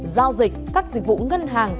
giao dịch các dịch vụ ngân hàng